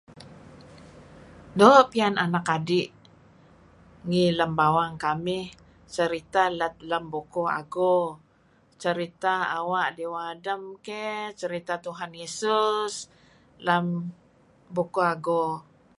Doo' piyan anak adi' nuk ngi bawang kamih sartah lat lam bukuh ago sritah Awa' diweh Adam. Naan keh seritah Tuhan Yesus lem Bukuh Ago.